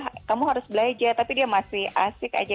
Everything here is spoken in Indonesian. ketika bisa udah kamu harus belajar tapi dia masih asik aja